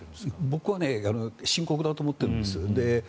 僕は深刻だと思ってるんです。